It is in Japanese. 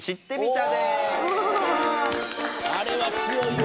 あれは強いわ。